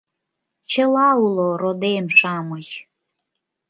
— Чыла уло, родем-шамыч!